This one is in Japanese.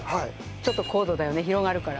ちょっと高度だよね広がるから。